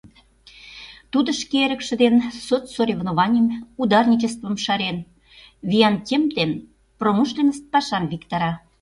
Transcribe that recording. Тудо, шке эрыкше дене соцсоревнованийым, ударничествым шарен, виян темп дене промышленность пашам виктара.